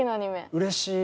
うれしい！